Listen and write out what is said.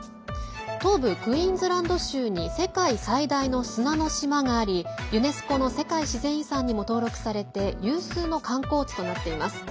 東部クイーンズランド州に世界最大の砂の島がありユネスコの世界自然遺産にも登録されて有数の観光地となっています。